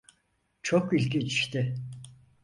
Çok ilginçti.